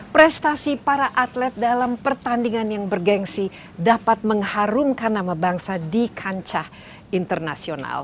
prestasi para atlet dalam pertandingan yang bergensi dapat mengharumkan nama bangsa di kancah internasional